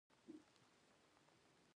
راته ووایه، دا ډېره مهمه خبره ده.